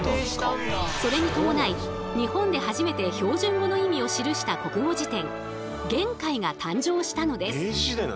それに伴い日本で初めて標準語の意味を記した国語辞典「言海」が誕生したのです。